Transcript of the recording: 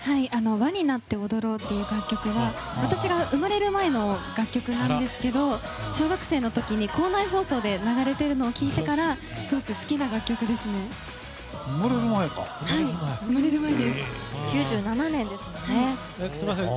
「ＷＡになっておどろう」という楽曲が私が生まれる前の楽曲なんですけど小学生の時に校内放送で流れているのを聴いてからすごく好きな楽曲ですね。